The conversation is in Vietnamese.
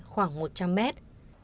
khoảng một trăm linh mét